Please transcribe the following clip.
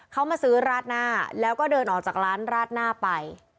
เขามาซื้อราดหน้าแล้วก็เดินออกจากร้านราดหน้าไป